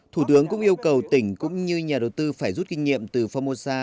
thủ tướng cũng yêu cầu tỉnh cũng như nhà đầu tư phải rút kinh nghiệm từ phongmosa